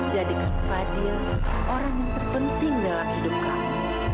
jadikan fadil orang yang terpenting dalam hidup kami